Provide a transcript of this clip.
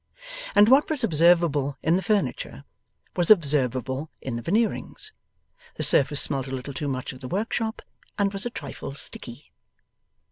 And what was observable in the furniture, was observable in the Veneerings the surface smelt a little too much of the workshop and was a trifle sticky.